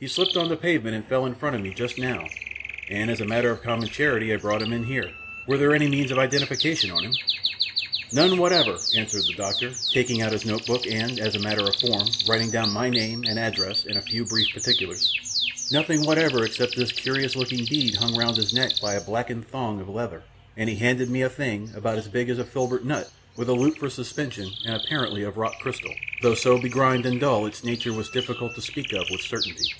He slipped on the pavement and fell in front of me just now, and as a matter of common charity I brought him in here. Were there any means of identification on him?" "None whatever," answered the doctor, taking out his notebook and, as a matter of form, writing down my name and address and a few brief particulars, "nothing whatever except this curious looking bead hung round his neck by a blackened thong of leather," and he handed me a thing about as big as a filbert nut with a loop for suspension and apparently of rock crystal, though so begrimed and dull its nature was difficult to speak of with certainty.